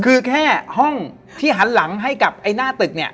คือแค่ห้องที่หันหลังให้กับไอ้หน้าตึกเนี่ย